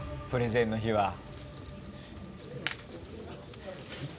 プレゼンの日は。